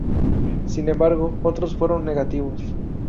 Sin embargo, otros fueron negativos.